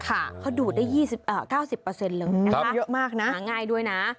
เขาดูดได้๙๐เลยนะคะเยอะมากนะหาง่ายด้วยนะ